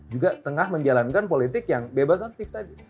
juga tengah menjalankan politik yang bebas aktif tadi